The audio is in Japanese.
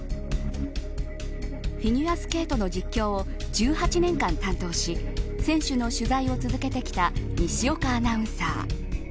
フィギュアスケートの実況を１８年間担当し選手の取材を続けてきた西岡アナウンサー。